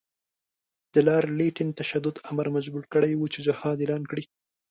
د لارډ لیټن تشدد امیر مجبور کړی وو چې جهاد اعلان کړي.